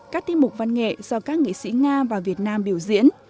các tiêm mục văn nghệ do các nghệ sĩ nga và việt nam biểu diễn